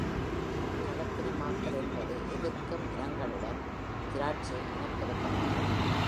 கலப்பினமாக்கல் என்பது எதிர்க்கும் இனனங்களுடன் “திராட்சை” ஐ இனப்பெருக்கம் ஆகும்.